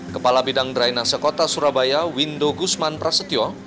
kepala bidang drainase kota surabaya windo guzman prasetyo